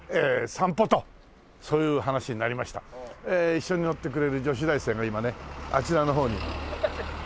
一緒に乗ってくれる女子大生が今ねあちらの方に。